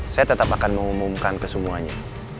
saya tetap akan mengumumkan ke semuanya